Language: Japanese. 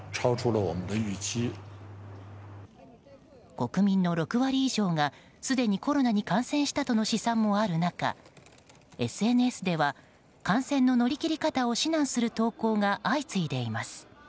国民の６割以上がすでにコロナに感染したとの試算もある中、ＳＮＳでは感染の乗り切り方を指南する投稿が相次いでいます。